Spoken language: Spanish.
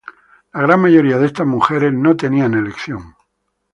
La gran mayoría de estas mujeres no tenían elección.